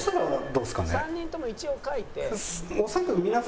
「３人とも一応書いて」。